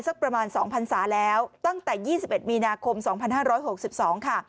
ตั้งแต่๒๑มีนาคม๒๕๖๒ค่ะ